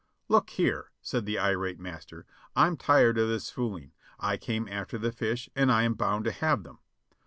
"Look here." said the irate master, "I'm tired of this fooling. I came after the fish, and I am bound to have them."